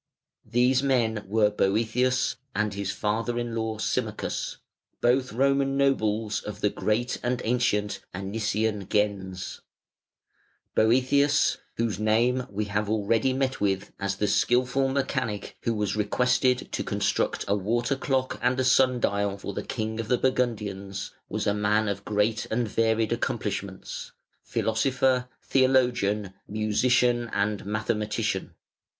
These men were Boëthius and his father in law Symmachus, both Roman nobles of the great and ancient Anician gens. Boëthius, whose name we have already met with as the skilful mechanic who was requested to construct a water clock and a sun dial for the king of the Burgundians, was a man of great and varied accomplishments philosopher, theologian, musician, and mathematician.